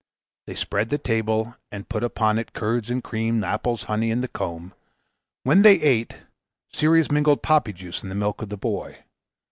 They spread the table, and put upon it curds and cream, apples, and honey in the comb. While they ate, Ceres mingled poppy juice in the milk of the boy.